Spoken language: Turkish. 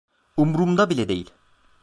Umurumda bile değil.